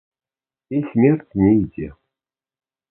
І смерць не ідзе!